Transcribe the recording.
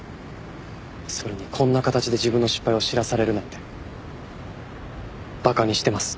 それにこんな形で自分の失敗を知らされるなんて馬鹿にしてます。